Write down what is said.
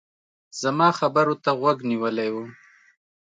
زما خبرو ته غوږ نيولی و.